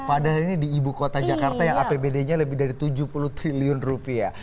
padahal ini di ibu kota jakarta yang apbd nya lebih dari tujuh puluh triliun rupiah